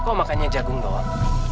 kok makannya jagung doang